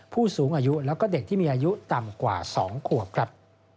ผู้สูงอายุและเด็กที่มีอายุต่ำกว่า๒ขวบ